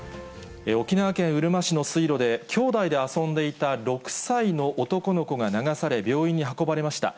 沖縄県うるま市の水路で、兄弟で遊んでいた６歳の男の子が流され、病院に運ばれました。